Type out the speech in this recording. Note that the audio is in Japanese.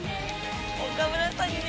岡村さんに